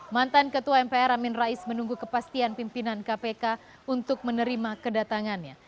mantan ketua mpr amin rais menunggu kepastian pimpinan kpk untuk menerima kedatangannya